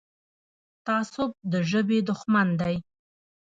تعصب د ژبې دښمن دی.